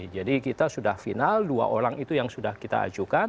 jadi kita sudah final dua orang itu yang sudah kita ajukan